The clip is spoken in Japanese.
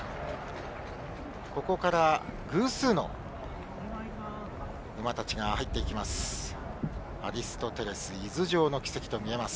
ここから偶数の馬たちが入っていきます。